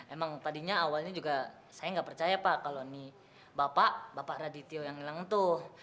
emang tadinya awalnya juga saya nggak percaya pak kalau ini bapak bapak radityo yang hilang tuh